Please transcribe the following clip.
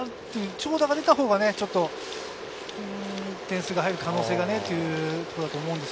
長打が出たほうが点数が入る可能性がねということだと思います。